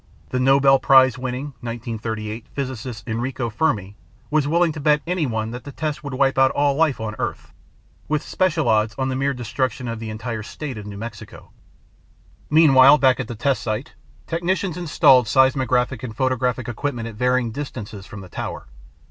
The Nobel Prize winning (1938) physicist Enrico Fermi was willing to bet anyone that the test would wipe out all life on Earth, with special odds on the mere destruction of the entire State of New Mexico! Meanwhile back at the test site, technicians installed seismographic and photographic equipment at varying distances from the tower.